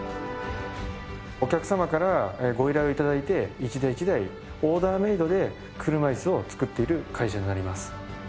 お客様からご依頼を頂いて一台一台オーダーメイドで車いすを作っている会社になります。